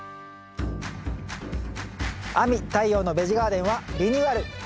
「亜美・太陽のベジガーデン」はリニューアル！